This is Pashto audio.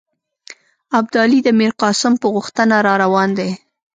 ابدالي د میرقاسم په غوښتنه را روان دی.